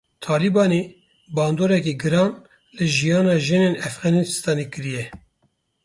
Talibanê bandoreke giran li jiyana jinên Efxanistanê kiriye.